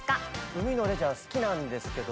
海のレジャー好きなんですけど